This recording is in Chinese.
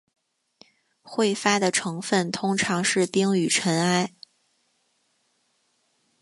彗发的成分通常是冰与尘埃。